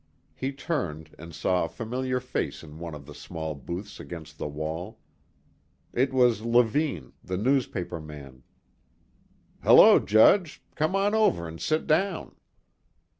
He turned and saw a familiar face in one of the small booths against the wall. It was Levine, the newspaperman. "Hello, Judge. Come on over and sit down."